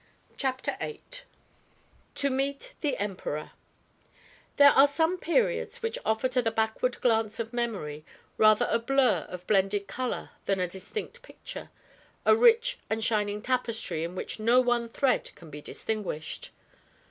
CHAPTER VIII TO MEET THE EMPEROR There are some periods which offer to the backward glance of memory rather a blur of blended color than a distinct picture, a rich and shining tapestry in which no one thread can be distinguished.